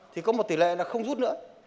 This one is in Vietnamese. thì có một tỷ lệ là không rút nữa